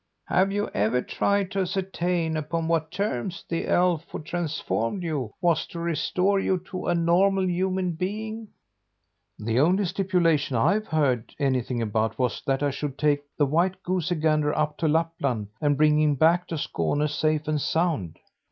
"Have you ever tried to ascertain upon what terms the elf who transformed you was to restore you to a normal human being?" "The only stipulation I've heard anything about was that I should take the white goosey gander up to Lapland and bring him back to Skåne, safe and sound."